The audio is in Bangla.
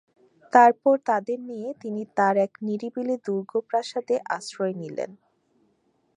তারপর তাদের নিয়ে তিনি তাঁর এক নিরিবিলি দুর্গপ্রাসাদে আশ্রয় নিলেন।